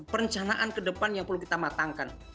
perencanaan kedepan yang perlu kita matangkan